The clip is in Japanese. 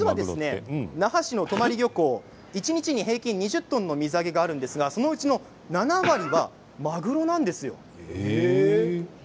那覇市の泊漁港は一日に２０トンの水揚げがありますがそのうち７割はマグロなんです。